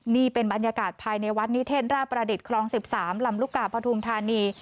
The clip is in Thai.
นี่เป็นบรรยากาศภายในวัดนิเทศราประดิษฐ์คลอง๑๓ลำลูกกาปฐุมธานี